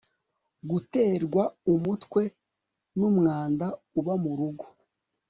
guterwa umutwe n'umwanda uba murugo